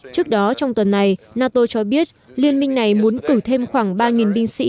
trước đó trong tuần này nato cho biết liên minh này muốn cử thêm khoảng ba binh sĩ